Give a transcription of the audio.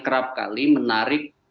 kerap kali menarik